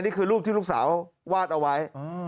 นี่คือรูปที่ลูกสาววาดเอาไว้